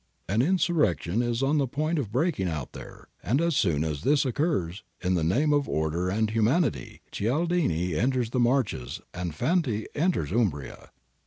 An insurrection is on the point of breaking out there, and as soon as this occurs, in the name of order and humanity, Cialdini enters the Marches and Fanti enters Umbria.